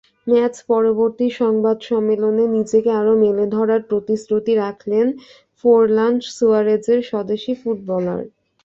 ম্যাচ-পরবর্তী সংবাদ সম্মেলনে নিজেকে আরও মেলে ধরার প্রতিশ্রুতি রাখলেন ফোরলান-সুয়ারেজের স্বদেশি ফুটবলার।